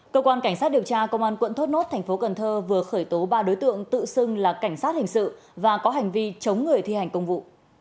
cơ quan cảnh sát điều tra công an quận thốt nốt thành phố cần thơ vừa khởi tố ba đối tượng tự xưng là cảnh sát hình sự và có hành vi chống người thi hành công vụ